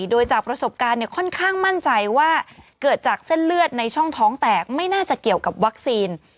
โดยจากประสบการณ์ค่อนข้างมั่นใจว่าเกิดจากเส้นเลือดในช่องท้องแตกไม่น่าจะเกี่ยวกับวัคซีน